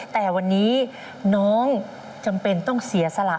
แต่วันนี้น้องจำเป็นต้องเสียสละ